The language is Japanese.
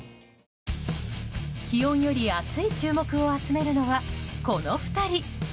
気温より熱い注目を集めるのはこの２人。